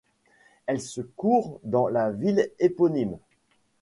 Elle se court dans la ville éponyme.